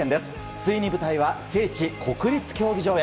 ついに舞台は聖地・国立競技場へ。